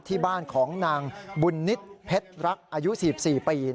ที่บ้านของนางบุญนิตเพชรรักอายุ๔๔ปี